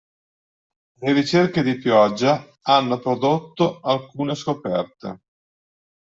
Le ricerche di Pioggia hanno prodotto alcune scoperte.